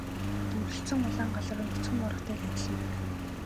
Дүрэлзсэн улаан гал руу нүцгэн орохтой л адил хэрэг.